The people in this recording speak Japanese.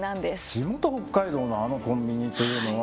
「地元北海道のあのコンビニ」というのは。